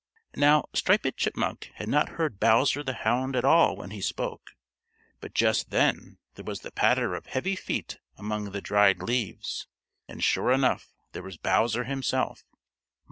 _] Now Striped Chipmunk had not heard Bowser the Hound at all when he spoke, but just then there was the patter of heavy feet among the dried leaves, and sure enough there was Bowser himself.